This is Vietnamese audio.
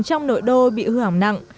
trong nội đô bị hưởng nặng